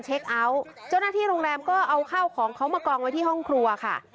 เจ้าหน้าที่โรงแรมก็เอาข้าวของเขามากองไว้ที่ห้องครัวค่ะ